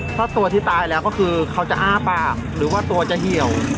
ถ้าตัวที่ตายแล้วก็คือเขาจะอ้าปากหรือว่าตัวจะเหี่ยว